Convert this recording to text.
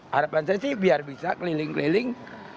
harapan saya sih biar bisa keliling keliling